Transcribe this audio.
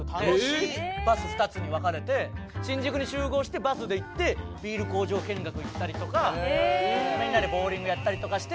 バス２つに分かれて新宿に集合してバスで行ってビール工場見学行ったりとかみんなでボウリングやったりとかして。